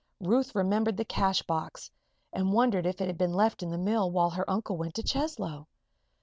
Ruth remembered the cash box and wondered if it had been left in the mill while her uncle went to Cheslow?